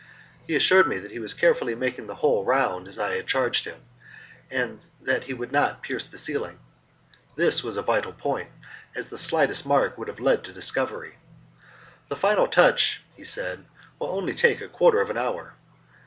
He assured me that he was carefully making the hole round as I had charged him, and that he would not pierce the ceiling. This was a vital point, as the slightest mark would have led to discovery. "The final touch," he said, "will only take a quarter of an hour."